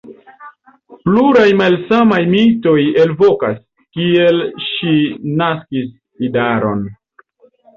Pluraj malsamaj mitoj elvokas, kiel ŝi naskis idaron.